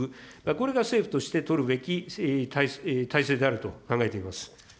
これが政府として取るべき体制であると考えています。